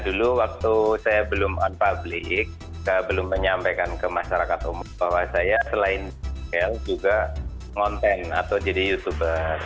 dulu waktu saya belum on public saya belum menyampaikan ke masyarakat umum bahwa saya selain el juga ngonten atau jadi youtuber